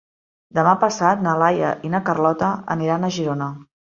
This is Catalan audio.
Demà passat na Laia i na Carlota aniran a Girona.